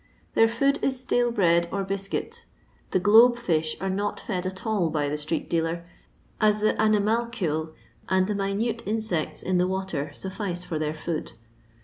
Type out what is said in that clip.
Their food is stale bread or biscait The " globe" fish are not fed at all by the street dealer, as the aninudcules and the minute insects in the water suffice for their food.